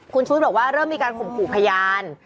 คุณชุวิตบอกว่าเริ่มมีการข่มขู่พยาน